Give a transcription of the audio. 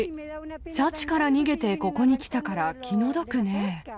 シャチから逃げてここに来たから、気の毒ね。